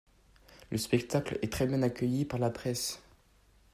Le spectacle est très bien accueilli par la presse.